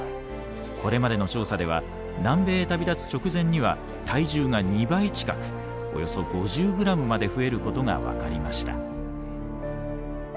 これまでの調査では南米へ旅立つ直前には体重が２倍近くおよそ５０グラムまで増えることが分かりました。